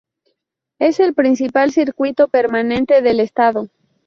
Es el principal circuito permanente del estado.